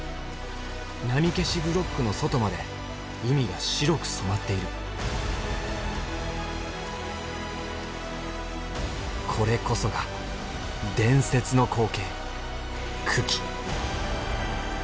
波消しブロックの外まで海が白く染まっているこれこそが伝説の光景群来